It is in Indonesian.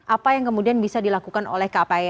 apa yang kemudian bisa dilakukan oleh kpai